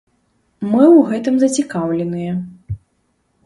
Мы ў гэтым зацікаўленыя.